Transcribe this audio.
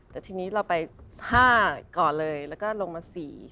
แต่ทีนี้เราไป๕ก่อนเลยแล้วก็ลงมา๔